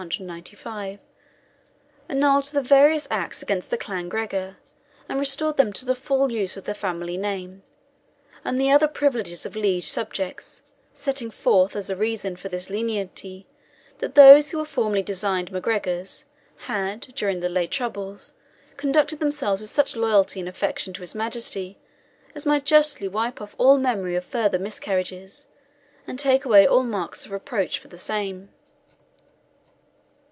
195), annulled the various acts against the clan Gregor, and restored them to the full use of their family name, and the other privileges of liege subjects, setting forth, as a reason for this lenity, that those who were formerly designed MacGregors had, during the late troubles, conducted themselves with such loyalty and affection to his Majesty, as might justly wipe off all memory of former miscarriages, and take away all marks of reproach for the same.